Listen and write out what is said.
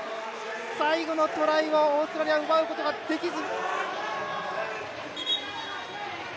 最後のトライはオーストラリア奪うことができず。